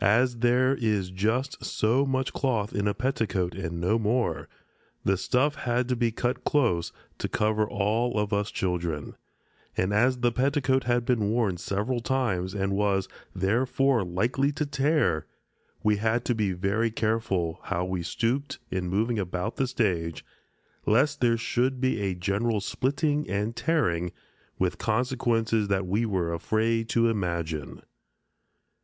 As there is just so much cloth in a petticoat and no more, the stuff had to be cut close to cover all of us children, and as the petticoat had been worn several times and was, therefore, likely to tear, we had to be very careful how we stooped in moving about the stage, lest there should be a general splitting and tearing, with consequences that we were afraid to imagine.